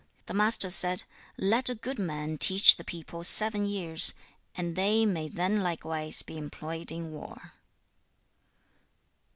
The Master said, 'Let a good man teach the people seven years, and they may then likewise be employed in war.'